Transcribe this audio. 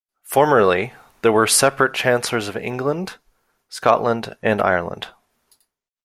Formerly, there were separate Chancellors of England, Scotland and Ireland.